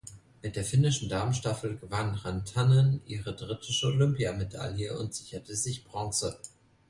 Mit der finnischen Damenstaffel gewann Rantanen ihre dritte Olympiamedaille und sicherte sich Bronze.